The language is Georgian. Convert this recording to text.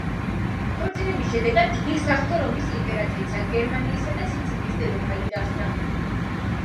ქორწინების შედეგად იგი საღვთო რომის იმპერატრიცა, გერმანიისა და სიცილიის დედოფალი გახდა.